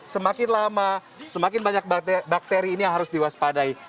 semakin lama semakin banyak bakteri ini yang harus diwaspadai